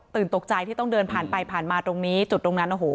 ตกใจที่ต้องเดินผ่านไปผ่านมาตรงนี้จุดตรงนั้นโอ้โห